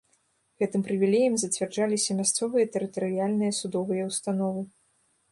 Гэтым прывілеем зацвярджаліся мясцовыя тэрытарыяльныя судовыя установы.